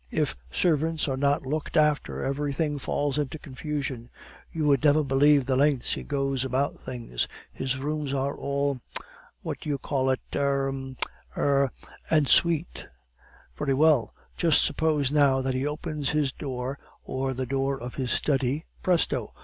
If servants are not looked after, everything falls into confusion. You would never believe the lengths he goes about things. His rooms are all what do you call it? er er en suite. Very well; just suppose, now, that he opens his room door or the door of his study; presto!